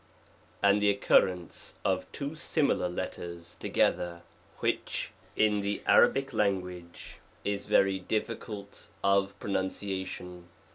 lj, and the occurrence of two similar letters together, xvhich, in the Arabic language, is very difficult of pronunciation.